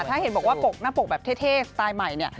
ถ้าเห็นบอกว่าหน้าปกแบบเท่สไตล์ใหม่